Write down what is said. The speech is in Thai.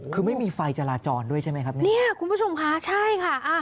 คือไม่มีไฟจราจรด้วยใช่ไหมครับเนี่ยคุณผู้ชมคะใช่ค่ะอ่า